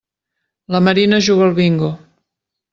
La Marina juga al bingo.